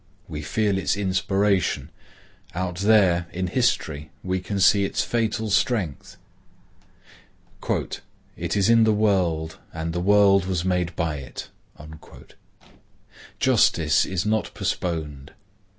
We feel its inspiration; out there in history we can see its fatal strength. "It is in the world, and the world was made by it." Justice is not postponed.